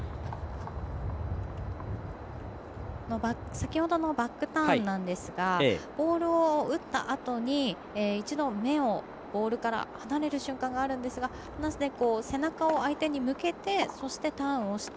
先ほどのバックターンなんですがボールを打ったあとに一度、目をボールから離れる瞬間があるんですが背中を相手に向けてターンをして。